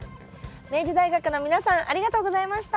明治大学の皆さんありがとうございました。